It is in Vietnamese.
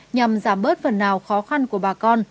nhằm giảm bớt phần nào khó khăn của bà con